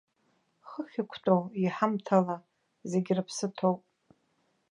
Хыхь иқәтәоу иҳамҭала зегьы рыԥсы ҭоуп.